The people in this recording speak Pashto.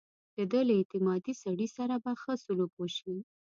د ده له اعتمادي سړي سره به ښه سلوک وشي.